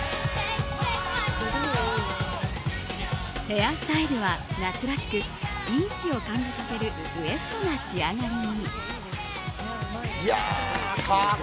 ヘアスタイルは夏らしくビーチを感じさせるウェットな仕上がりに。